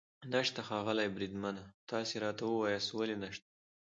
نشته؟ ښاغلی بریدمنه، تاسې راته ووایاست ولې نشته.